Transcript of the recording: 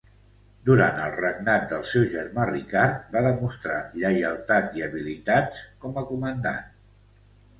Durant el regnat del seu germà Ricard va demostrar lleialtat i habilitats com a comandant.